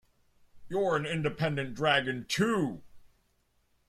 You're an independent dragoon, too!